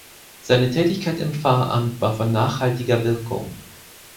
Seine Tätigkeit im Pfarramt war von nachhaltiger Wirkung.